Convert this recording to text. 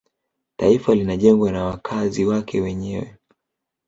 taifa linajengwa na wakazi wake wenyewe